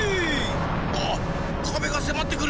あかべがせまってくる！